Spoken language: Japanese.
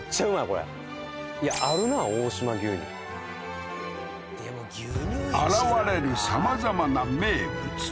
これいやあるな大島牛乳現れるさまざまな名物